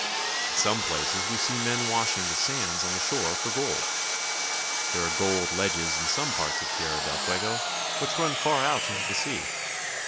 At some places we see men washing the sands on the shore for gold. There are gold ledges in some parts of Tierra del Fuego which run far out into the sea.